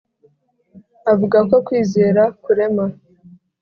avuga ko kwizera kurema